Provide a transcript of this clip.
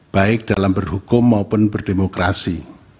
baik dalam berhukum maupun berdemokrasi